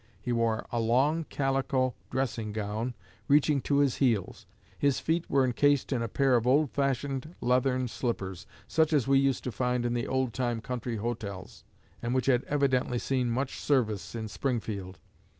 He wore a long calico dressing gown, reaching to his heels; his feet were encased in a pair of old fashioned leathern slippers, such as we used to find in the old time country hotels, and which had evidently seen much service in Springfield.